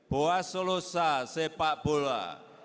boas solosa sepak bola